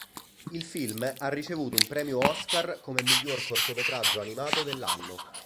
Il film ha ricevuto un Premio Oscar come miglior cortometraggio animato dell'anno.